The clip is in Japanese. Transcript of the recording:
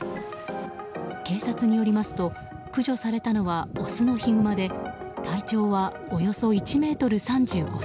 警察によりますと駆除されたのはオスのヒグマで体長はおよそ１ｍ３５ｃｍ。